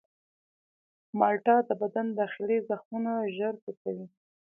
مالټه د بدن داخلي زخمونه ژر ښه کوي.